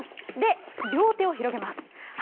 で、両手を広げます。